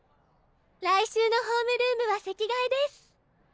来週のホームルームは席替えです。